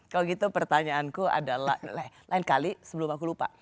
kalau gitu pertanyaanku adalah lain kali sebelum aku lupa